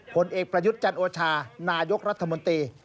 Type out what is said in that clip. ผลเอกประยุทธ์จันโอชานายกรัฐมนตรี